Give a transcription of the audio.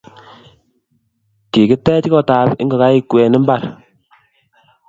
Kigitech koot tab ingogaik kwen mbar